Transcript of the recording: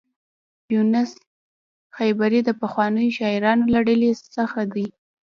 یونس خیبري د پخوانیو شاعرانو له ډلې څخه دی.